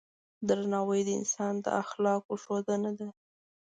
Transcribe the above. درناوی د انسان د اخلاقو ښودنه ده.